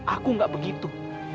aku gak begitu